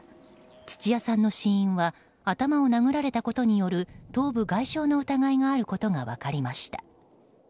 土屋さんの死因は頭を殴られたことによる頭部外傷の疑いがあることが分かりました。